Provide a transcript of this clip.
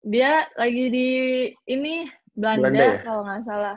dia lagi di ini belanda kalo gak salah